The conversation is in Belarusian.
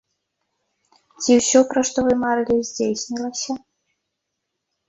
Ці ўсё, пра што вы марылі, здзейснілася?